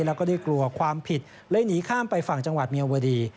แล้วก็ได้กลัวความผิดเลยหนีข้ามไปฝั่งจังหวัดเมียวดี